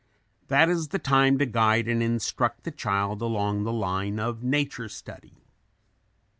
That is the time to guide and instruct the child along the line of nature study.